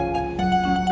bapak juga begitu